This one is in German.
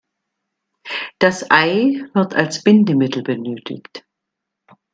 Das Ei wird als Bindemittel benötigt.